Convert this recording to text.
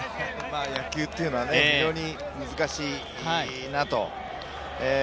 野球っていうのは非常に難しいなと。